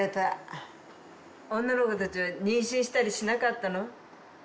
女の子たちは妊娠したりしなかったの？